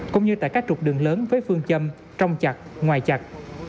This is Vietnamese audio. cũng như tại các trục đường lớn với phương châm trong chặt ngoài chặt